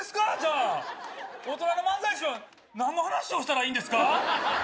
じゃあ、大人の漫才師はなんの話をしたらいいんですか。